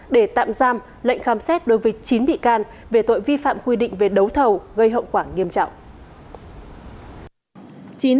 để tạm giam lệnh khám xét đối với chín bị can về tội vi phạm quy định về đấu thầu gây hậu quả nghiêm trọng